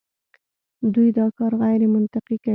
دوی دا کار غیرمنطقي کوي.